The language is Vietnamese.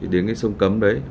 đến sông cấm đấy